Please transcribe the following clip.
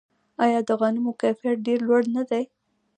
آیا د غنمو کیفیت ډیر لوړ نه دی؟